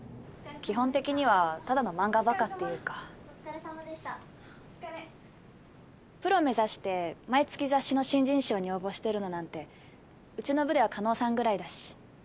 基本的にはただの漫画バカっていうかお疲れさまでしたお疲れプロ目指して毎月雑誌の新人賞に応募してるのなんてうちの部では叶さんぐらいだし